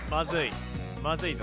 まずい。